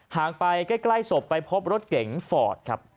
ห่างไปใกล้ศพไปพบรถเก๋งฟอร์ดครับ